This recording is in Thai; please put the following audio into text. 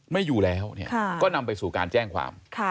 ไม่อยู่แล้วก็นำไปสู่การแจ้งความ